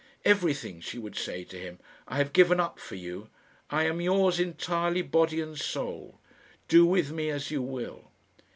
"Everything," she would say to him, "I have given up for you. I am yours entirely, body and soul. Do with me as you will."